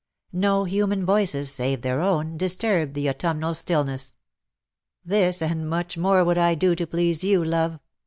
No human voices, save their own, disturbed the autumnal stillness. " This, and much more, would I do to please you, love.